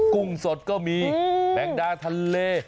กุ้งสดก็มีแมงดาทะเล